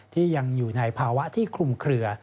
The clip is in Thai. ที่ยังอยู่ในภาวะที่คลุมเคลือ